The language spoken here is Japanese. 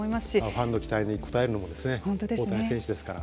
ファンの期待に応えるのも大谷選手ですから。